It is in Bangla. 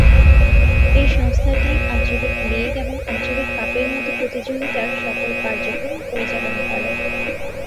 এই সংস্থাটি আঞ্চলিক লীগ এবং আঞ্চলিক কাপের মতো প্রতিযোগিতার সকল কার্যক্রম পরিচালনা করে।